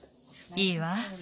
いいわ。